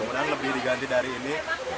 mudah mudahan lebih diganti dari ini